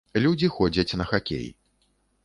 Людзі ходзяць на хакей.